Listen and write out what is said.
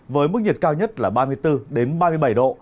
với mức nhiệt cao nhất là ba mươi bốn ba mươi bảy độ